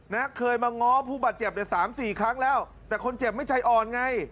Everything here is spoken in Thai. นะเคยมาง้อผู้บาดเจ็บในสามสี่ครั้งแล้วแต่คนเจ็บไม่ใจอ่อนไง